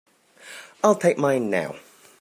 I'll take mine now.